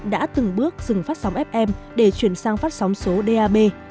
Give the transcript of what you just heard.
đã từng bước dừng phát sóng fm để chuyển sang phát sóng số dab